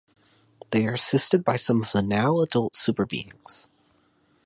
They are assisted by some of the now-adult super-beings.